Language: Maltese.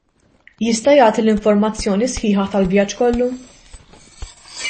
Jista' jagħti l-informazzjoni sħiħa tal-vjaġġ kollu?